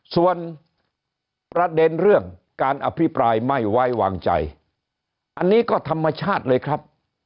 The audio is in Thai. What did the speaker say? ส่วนประเด็นเรื่องการอภิปรายไม่ไว้วางใจอันนี้ก็ธรรมชาติเลยครับ